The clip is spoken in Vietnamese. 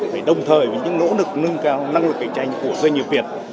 phải đồng thời với những nỗ lực nâng cao năng lực cạnh tranh của doanh nghiệp việt